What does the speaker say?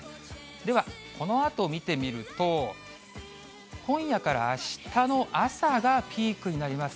では、このあと見てみると、今夜からあしたの朝がピークになります。